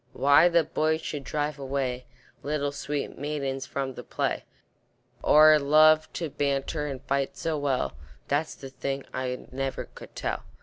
Why the boys should drive away Little sweet maidens from the play, Or love to banter and fight so well, That's the thing I never could tell.